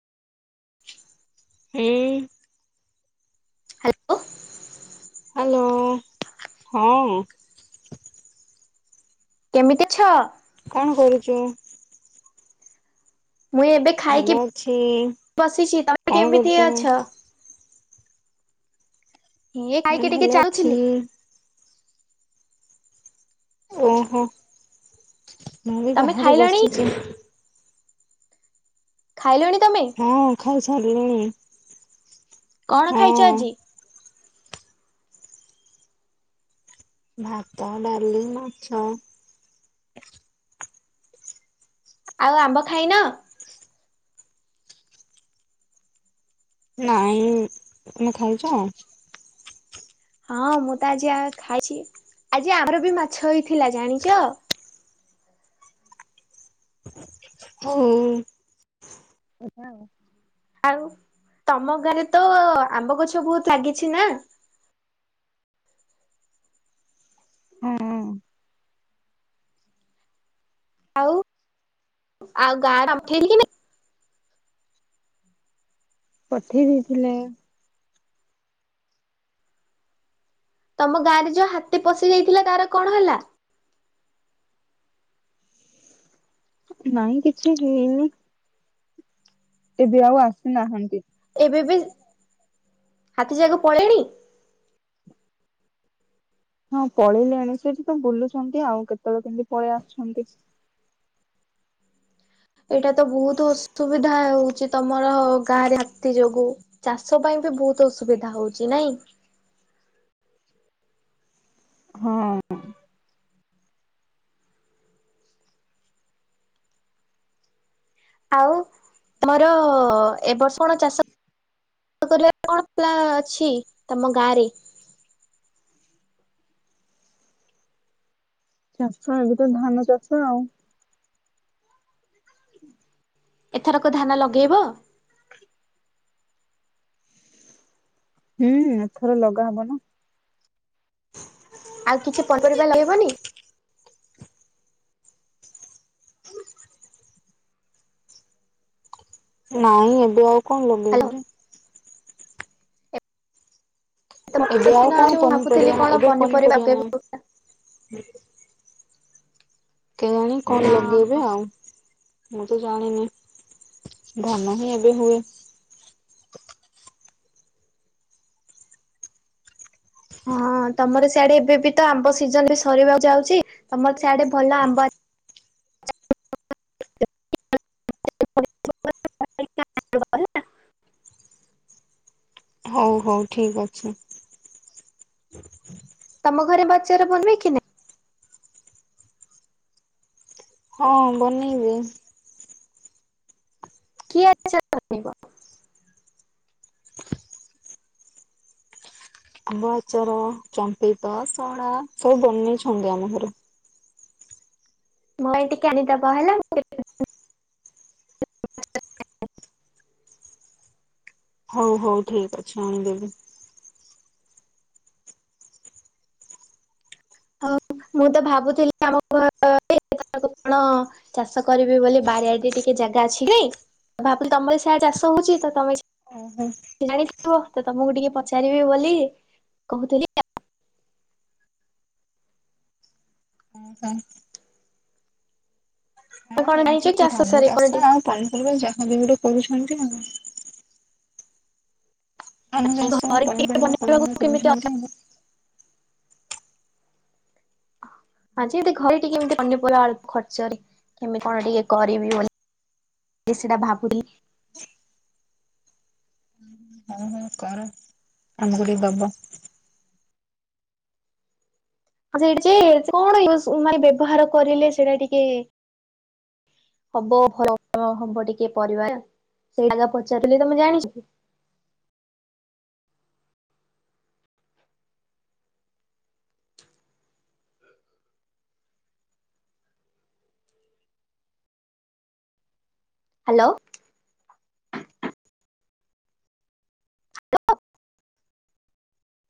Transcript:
ଛୁଉଁ। ଉଁ। Hello. Hello ହଁ। କେମିତି ଅଛ? କଣ କରୁଚୁ? ମୁଁ ଏବେ ଭଲ ଖାଇକି ଅଛି ବସିଛି ତମେ କଣ କେମିତି କରୁଛୁ? ଅଛ? ଇଏ ହଁ ଖାଇକି ଭଲ ଟିକେ ଅଛି। ଚାଲୁଥିଲି। ଅହୋ ମୁଁ ତମେ ବାହାରେ ଖାଇଲଣି ବସିଛି। ଖାଇଲୋଣି ତମେ? ହଁ ଖାଇ ସାରିଲିଣି। କଣ ଖାଇଛ ଆଜି? ଭାତ, ଡ଼ାଲି, ମାଛ। ଆଉ ଆମ୍ବ ଖାଇନ? ନାଇଁ ତମେ ଖାଇଛ? ହଁ ମୁଁ ତ ଆଜି ଖାଇଛି ଆଜି ଆମର ବି ମାଛ ହେଇଥିଲା ଜାଣିଚ? ହୋଉ। ଆଉ ତମ ଘରେ ତ ଆମ୍ବ ଗଛ ବହୁତ ଲାଗିଛି ନା? ହଁ ଆଉ ଆଉ ଗାଁ ରେ [unintelligible] ପଠେଇ ଦେଇଥିଲେ। ତମ ଗାଁ ରେ ଯୋଉ ହାତେ ପଶି ଯାଇଥିଲା ତାର କଣ ହେଲା? ନାଇଁ କିଛି ହେଇନି ଏବେ ଆଉ ଆସିନାହାନ୍ତି। ଏବେ ବି ହାତୀ ଯାକ ପଳେଇଣି। ହଁ ପଳେଇଲେଣି ସେଠି ତ ବୁଲୁଛନ୍ତି ଆଉ କେତେବେଳେ କେମିତି ପଳେଇ ଆସୁଛନ୍ତି। ଏଇଟା ତ ବହୁତ ଅସୁବିଧା ହଉଛି ତମର ଗାଁରେ ହାତୀ ଯୋଗୁ। ଚାଷ ପାଇଁ ବି ବହୁତ ଅସୁବିଧା ହଉଛି ନାଇଁ। ହଁ। ଆଉ ମୋର ଏବ ବର୍ଷ କଣ ଚାଷ କରିବା କଣ ପା ଅଛି ତମ ଗାଁ ରେ? ଚାଷ ଏବେ ତ ଧାନ ଚାଷ ଆଉ। ଏଥରକ ଧାନ ଲଗେଇବ? ହୁଁ ଥର ଲଗା ହବ ନା। ଆଉ କିଛି ପଙ୍କରିବା ରହିବନି। ନାଇଁ ଏବେ ଆଉ କଣ ହ୍ୟାଲୋ ଲଗେଇବି ଯେ ବର୍ଷା ଏବେ ଆଉ ଦିନ କଣ ଆଉଛି ମୁଁ ଭାବୁଥିଲି ପନିପରିବା ନା କଣ ଏବେ ପନିପରିବା ଲଗେଇବ ନାହିଁ। କେଜାଣି କଣ ଅଁ ଲଗେଇବେ ଆଉ ମୁଁ ତ ଜାଣିନି। ଧାନ ହିଁ ଏବେ ହୁଏ। ହଁ ତମର ସିଆଡେ ଏବେ ବି ତ ଆମ୍ବ ସିଜନ ବି ସରିବାକୁ ଯାଉଛି ତମର ସିଆଡେ ଭଲ ଆମ୍ବ [unintelligible] ହଉ ହଉ ଠିକ ଅଛି। ତମ ଘରେ ବାଚାର ବନେକି ନା? ହଁ ବନେଇବେ। କି ଆଚାର? [unintelligible] ଆମ୍ବ ଆଚାର ଚମ୍ପିତ ସଳା ସବୁ ବନେଇଛନ୍ତି ଆମ ଘର। ମୋର ଟିକେ ଆଣିଦବା ହେଲା ଟିକେ। ହଉ ହଉ ଠିକ୍ ଅଛି ଆଣିଦେବି। ହଁ ମୁଁ ତ ଭାବୁଥିଲି ଆମ [unintelligible] କଣ ଚାଷ କରିବି ବୋଲି ବାରିଆଡ ଟିକେ ଜାଗା ଅଛି କି? ଭାବୁ ତମର ସେୟା ଚାଷ ହଉଛି ତମେ ଓହୋ। ଜାଣିଥିବ ତ ତମକୁ ଟିକେ ପଚାରିବି ବୋଲି କହୁଥିଲି। ହଁ ହୁଁ। ତ କଣ ଜାଣିଛ ଏମତି ଚାଷ ଧାନ ବିଷୟରେ କଣ ଚାଷ ଟିକେ ଆଉ ପନପରବା ଯାହା ବି ଗୁଡେ କରୁଛନ୍ତି ଆଉ। ଆମେ ଜାଶ ଘରେ ଟିକେ ପନିପାରିବା ବନେଇବାକୁ କେମିତି [unintelligible] କେନ୍ତି? ଆଁ ଯେ ଏମିତି ଘରେ ଟିକେ ଏମିତି ପନିପୁରା ଖର୍ଚ୍ଚ ରେ। କେମତି କଣ ଟିକେ କରିବି ବୋଲି ସେଟା ଭାବୁନିଥିଲି। ହଁ। ହଁ କର ଆମକୁ ଟିକେ ଦବ। ସେ ଯେ କଣ ୟୁ ବ୍ୟବହାର କରିଲେ ସେଇଟା ଟିକେ ହବ ଭଲ ହବ ଟିକେ ପରିବାର ସେଇଟାଗା ପଚାରିଥିଲି ତମେ ଜାଣିଛ? ହ୍ୟାଲୋ। [inaudible]